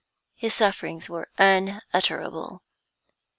His sufferings were unutterable.